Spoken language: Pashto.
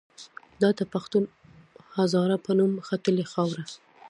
دا د پښتون او هزاره په نوم ختلې خاوره